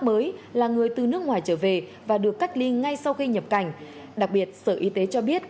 mới là người từ nước ngoài trở về và được cách ly ngay sau khi nhập cảnh đặc biệt sở y tế cho biết